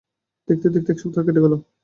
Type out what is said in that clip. দেখতে-দেখতে এক সপ্তাহ কেটে গেল।